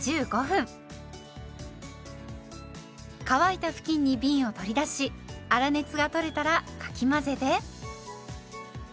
乾いた布巾にびんを取り出し粗熱がとれたらかき混ぜて。